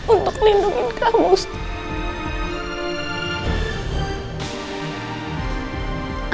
untuk lindungin kamu zah